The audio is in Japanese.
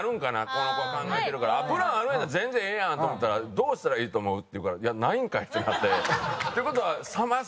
この子考えてるからプランあるんやったら全然ええやんと思ったらどうしたらいいと思う？って言うからいやないんかいってなって。って事は冷めさせただけ？